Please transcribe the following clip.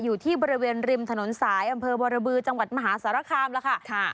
อยู่ที่บริเวณริมถนนสายอำเภอบรบือจังหวัดมหาสารคามแล้วค่ะ